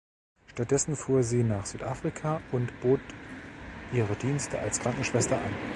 Stattdessen fuhr sie nach Südafrika und bot ihre Dienste als Krankenschwester an.